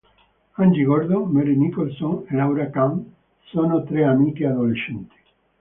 Angie Gordon, Mary Nicholson, e Laura Cahn sono tre amiche adolescenti.